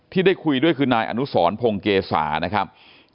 ที่ได้คุยด้วยคือนายอนุสรพงศ์เกษานะครับ